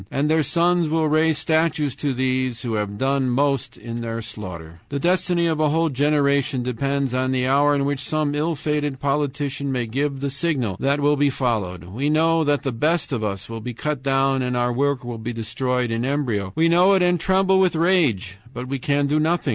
And their sons will raise statues to those who have done most in their slaughter. "The destiny of a whole generation depends on the hour in which some ill fated politician may give the signal that will be followed. We know that the best of us will be cut down and our work will be destroyed in embryo. WE KNOW IT AND TREMBLE WITH RAGE, BUT WE CAN DO NOTHING.